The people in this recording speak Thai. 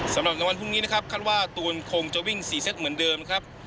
สำหรับในวันพรุ่งนี้นะครับคาดว่าตูนคงจะวิ่ง๔เซตเหมือนเดิมครับ